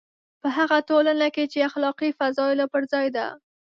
په هغه ټولنه کې چې اخلاقي فضایلو پر ځای ده.